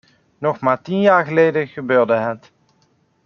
Nog maar tien jaar geleden gebeurde het.